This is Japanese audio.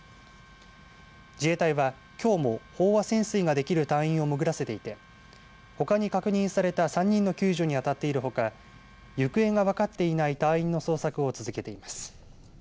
自衛隊はきょうも飽和潜水ができる隊員を潜らせていてほかに確認された３人の救助に当たっているほか行方が分かっていない隊員の捜索を続けています。